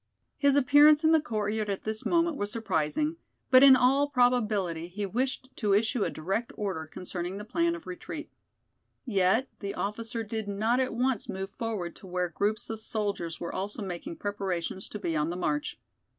His appearance in the courtyard at this moment was surprising, but in all probability he wished to issue a direct order concerning the plan of retreat. Yet the officer did not at once move forward to where groups of soldiers were also making preparations to be on the march.